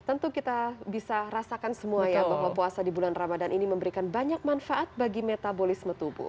tentu kita bisa rasakan semua ya bahwa puasa di bulan ramadan ini memberikan banyak manfaat bagi metabolisme tubuh